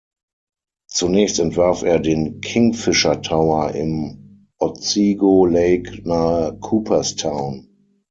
Zunächst entwarf er den Kingfisher Tower im Otsego Lake nahe Cooperstown.